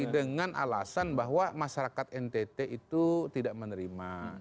dengan alasan bahwa masyarakat ntt itu tidak menerima